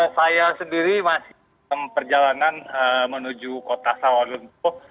saya sendiri masih dalam perjalanan menuju kota sawalunto